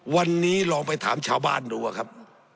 วันนี้ลองไปถามชาวบ้านดูอะครับ